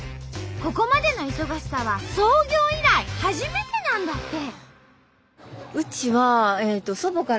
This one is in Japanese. ここまでの忙しさは創業以来初めてなんだって。